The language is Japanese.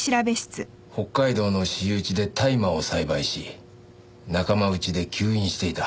北海道の私有地で大麻を栽培し仲間内で吸引していた。